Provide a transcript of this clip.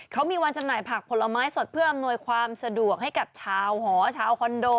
เขามีวันจำหน่ายผักผลไม้สดเพื่ออำนวยความสะดวกให้กับชาวหอชาวคอนโด